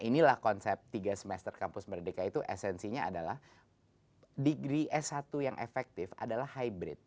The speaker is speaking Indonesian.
inilah konsep tiga semester kampus merdeka itu esensinya adalah degree s satu yang efektif adalah hybrid